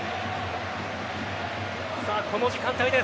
この時間帯です。